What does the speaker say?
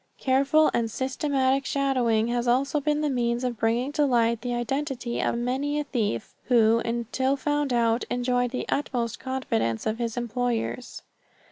Careful and systematic shadowing has also been the means of bringing to light the identity of many a thief who, until found out, enjoyed the utmost confidence of his employers.